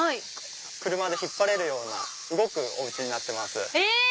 車で引っ張れるような動くおうちになってます。